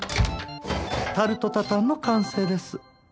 タルトタタンの完成です。